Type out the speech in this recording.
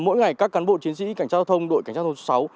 mỗi ngày các cán bộ chiến sĩ cảnh trao thông đội cảnh trao thông số sáu